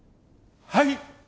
はい！